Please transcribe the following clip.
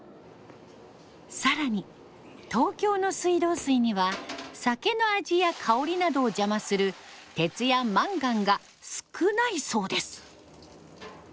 更に東京の水道水には酒の味や香りなどを邪魔する鉄やマンガンが少ないそうです。